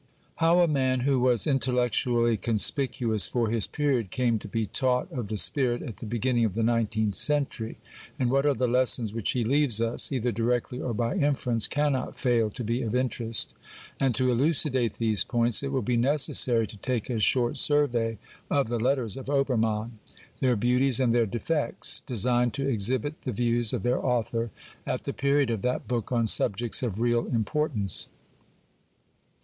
How a man who was intellectually conspicuous for his period came to be taught of the Spirit at the beginning of the nineteenth century, and what are the lessons which he leaves us, either directly or by inference, cannot fail to be of interest ; and to elucidate these points it will be necessary to take a short survey of the letters of Obermann, their beauties and their defects, designed to exhibit the views of their author at the period of that book on subjects of real importance.